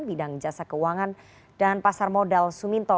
bidang jasa keuangan dan pasar modal suminto